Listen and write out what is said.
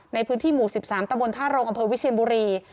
ในพื้นที่หมู่๑๓ตะมนต์ธารงอวิชเชียนบุรี